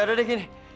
udah deh gini